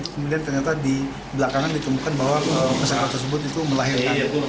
kemudian ternyata di belakangan ditemukan bahwa peserta tersebut itu melahirkan